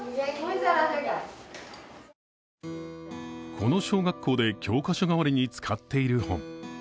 この小学校で、教科書代わりに使っている本。